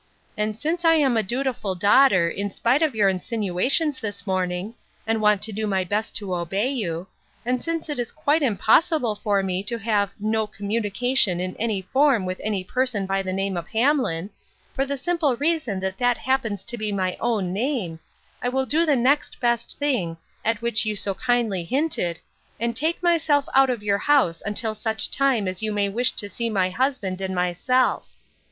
And since I am a dutiful daughter, in spite of your insinuations this morning, and want to do my best to obey you ; and since it is quite impossible for me to have "no communication in any form with any person by the name of Hamlin," for the simple reason that that happens to be my own name, I will do the next best thing, at which you so kindly hinted, and take myself out of your house until such time as you may wish to see my husband and myself.